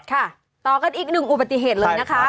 ค่ะต่อกันอีกหนึ่งอุบัติเหตุเลยนะคะ